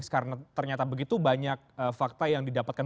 karena ternyata begitu banyak fakta yang didapatkan